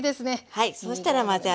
はい。